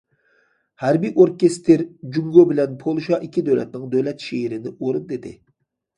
ھەربىي ئوركېستىر جۇڭگو بىلەن پولشا ئىككى دۆلەتنىڭ دۆلەت شېئىرىنى ئورۇندىدى.